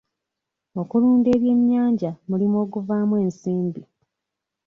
Okulunda ebyennyanja mulimu oguvaamu ensimbi.